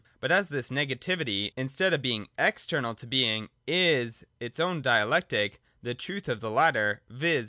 But as this negativity, instead of being external to Being, is its own dialectic, the truth of the latter, viz.